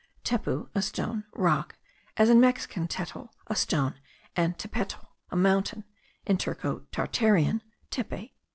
(Tepu, a stone, rock; as in Mexican, tetl, a stone, and tepetl, a mountain; in Turco Tatarian, tepe.)